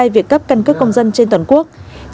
việc cấp căn cước công dân trên toàn quốc